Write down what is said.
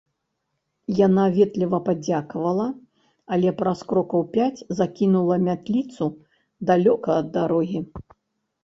Яна ветліва падзякавала, але праз крокаў пяць закінула мятліцу далёка ад дарогі.